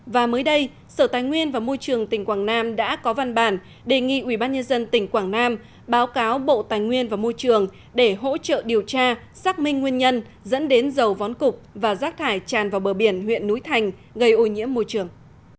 và mới đây sở tài nguyên và môi trường tỉnh quảng nam đã có văn bản đề nghị ubnd tỉnh quảng nam báo cáo bộ tài nguyên và môi trường để hỗ trợ điều tra xác minh nguyên nhân dẫn đến dầu vón cục và rác thải tràn vào bờ biển huyện núi thành gây ô nhiễm môi trường